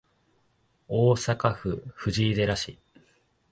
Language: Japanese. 大阪府藤井寺市